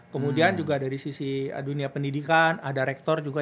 kemudian juga dari sisi dunia pendidikan ada rektor juga